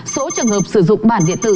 số trường hợp sử dụng bản điện tử